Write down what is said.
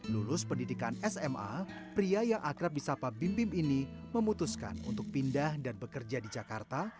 lulus pendidikan sma pria yang akrab di sapa bim bim ini memutuskan untuk pindah dan bekerja di jakarta